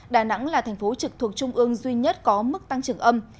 đà nẵng là thành phố trực thuộc trung ương duy nhất có mức tăng trưởng âm